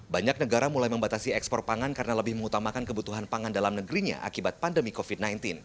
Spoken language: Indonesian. banyak negara mulai membatasi ekspor pangan karena lebih mengutamakan kebutuhan pangan dalam negerinya akibat pandemi covid sembilan belas